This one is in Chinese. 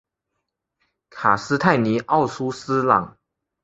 卡斯泰尼奥苏斯朗。